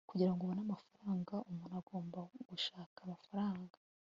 kugirango ubone amafaranga umuntu agomba gushaka amafaranga